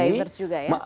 ada divers juga ya